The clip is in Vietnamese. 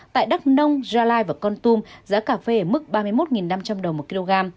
tại đắk nông gia lai và con tum giá cà phê ở mức ba mươi một năm trăm linh đồng một kg